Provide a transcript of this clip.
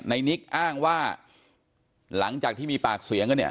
นิกอ้างว่าหลังจากที่มีปากเสียงกันเนี่ย